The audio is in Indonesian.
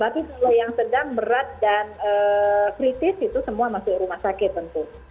tapi kalau yang sedang berat dan kritis itu semua masuk rumah sakit tentu